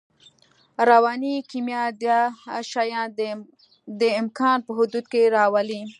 رواني کیمیا دا شیان د امکان په حدودو کې راولي